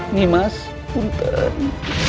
ini mas apunten